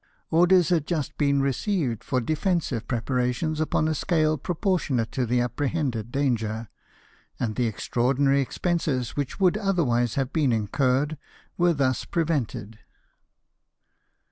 Orders had just been received for defensive preparations upon a scale proportionate to the apprehended danger, and the extraordinary ex penses which would otherwise have been incurred were thus prevented.